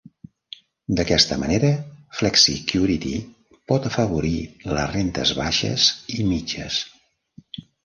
D"aquesta manera, Flexicurity pot afavorir les rentes baixes i mitges.